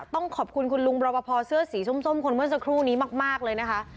ต้องขอบคุณคุณลุงรบพอเสื้อสีส้มคนเมื่อสักครู่นี้มากเลยนะคะ